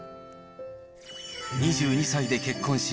２２歳で結婚し、